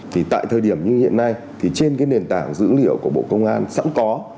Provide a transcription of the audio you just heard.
thì tại thời điểm như hiện nay thì trên cái nền tảng dữ liệu của bộ công an sẵn có